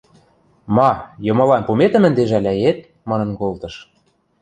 – Ма, йымылан пуметӹм ӹнде жӓлӓет? – манын колтыш.